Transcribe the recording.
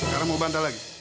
sekarang mau bantah lagi